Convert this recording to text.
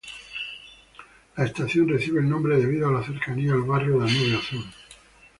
La estación recibe el nombre debido a la cercanía al barrio Danubio Azul.